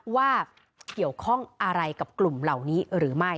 ว่าเกี่ยวข้องอะไรกับกลุ่มเหล่านี้หรือไม่